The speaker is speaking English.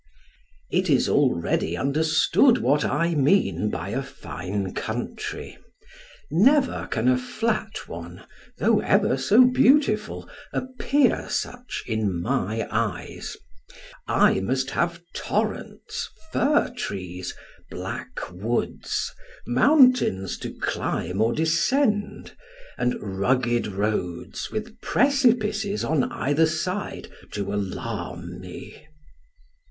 It is already understood what I mean by a fine country; never can a flat one, though ever so beautiful, appear such in my eyes: I must have torrents, fir trees, black woods, mountains to climb or descend, and rugged roads with precipices on either side to alarm me.